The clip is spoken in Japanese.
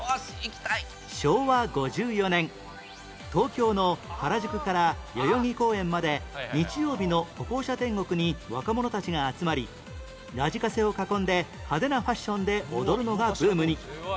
昭和５４年東京の原宿から代々木公園まで日曜日の歩行者天国に若者たちが集まりラジカセを囲んで派手なファッションで踊るのがブームに